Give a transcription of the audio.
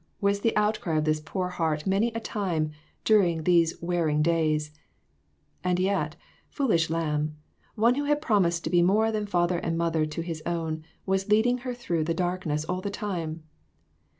" was the out cry of this poor heart many COMPLICATIONS. 363 a time during these wearing days ; and yet, fool ish lamb, One who had promised to be more than father and mother to his own was leading her through the darkness all the time.